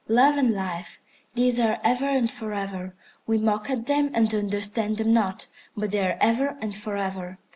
Love and Life, these are ever and for ever. We mock at them and understand them not, but they are ever and for ever.